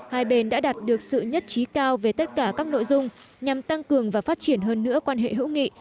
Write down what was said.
hai bên đã đạt được sự nhất trí cao về tất cả các nội dung nhằm tăng cường và phát triển hơn nữa quan hệ hữu nghị